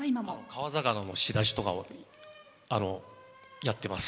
川魚の仕出しとかをやってます。